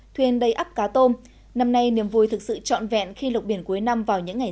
thuyền đầy ắp cá tôm năm nay niềm vui thực sự trọn vẹn khi lục biển cuối năm vào những ngày